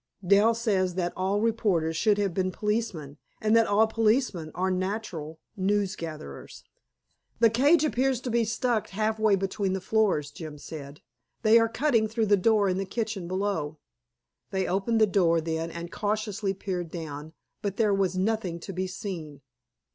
(Dal says that all reporters should have been policemen, and that all policemen are natural newsgatherers.) "The cage appears to be stuck, half way between the floors," Jim said. "They are cutting through the door in the kitchen below." They opened the door then and cautiously peered down, but there was nothing to be seen.